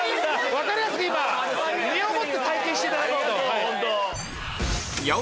分かりやすく身をもって体験していただこうと。